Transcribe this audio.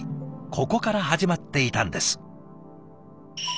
ここから始まっていたんです。